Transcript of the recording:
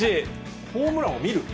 ホームランを見る？